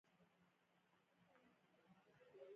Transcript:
هغه امر کوي چې په پوره هڅې سره کار وکړئ